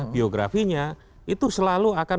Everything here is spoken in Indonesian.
biografinya itu selalu akan